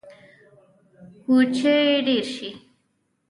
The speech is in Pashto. کوچي ډیر شي